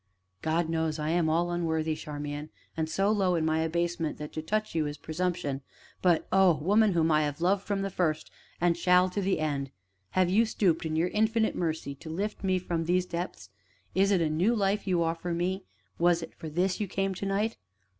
"God knows I am all unworthy, Charmian, and so low in my abasement that to touch you is presumption, but oh, woman whom I have loved from the first, and shall, to the end, have you stooped in your infinite mercy, to lift me from these depths is it a new life you offer me was it for this you came to night?"